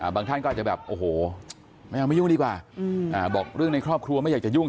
ท่านก็อาจจะแบบโอ้โหไม่เอาไม่ยุ่งดีกว่าบอกเรื่องในครอบครัวไม่อยากจะยุ่ง